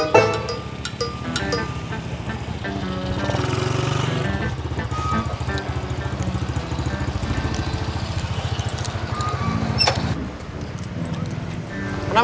kenapa musim pakai bagus